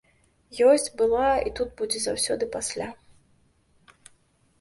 Ёсць, была, і тут будзе заўсёды пасля!